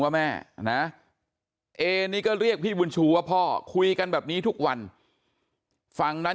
ว่าแม่นะเอนี่ก็เรียกพี่บุญชูว่าพ่อคุยกันแบบนี้ทุกวันฝั่งนั้น